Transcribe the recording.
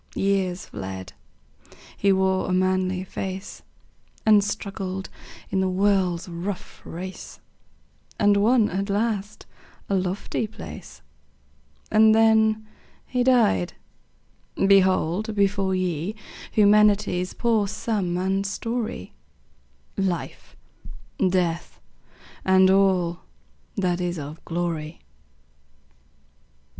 Years fled; he wore a manly face, And struggled in the world's rough race, And won at last a lofty place. And then he died! Behold before ye Humanity's poor sum and story; Life, Death, and all that is of glory.